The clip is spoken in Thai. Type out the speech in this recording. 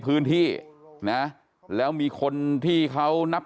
เมื่อยครับเมื่อยครับ